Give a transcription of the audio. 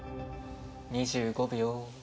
２５秒。